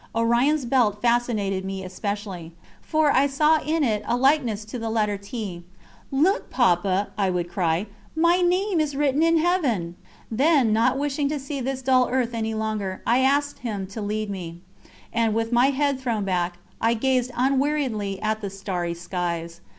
Orion's belt fascinated me especially, for I saw in it a likeness to the letter "T." "Look, Papa," I would cry, "my name is written in Heaven!" Then, not wishing to see this dull earth any longer, I asked him to lead me, and with my head thrown back, I gazed unweariedly at the starry skies.